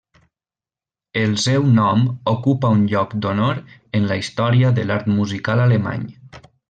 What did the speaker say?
El seu nom ocupa un lloc d'honor en la història de l'art musical alemany.